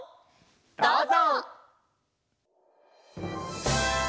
どうぞ！